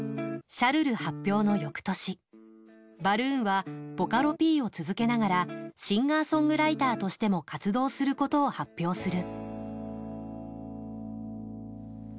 「シャルル」発表のよくとしバルーンはボカロＰを続けながらシンガーソングライターとしても活動することを発表する。